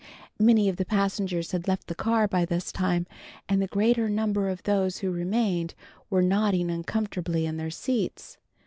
Many of the passengers had left the car by this time, and the greater number of those who remained were nodding uncomfortably in their seats.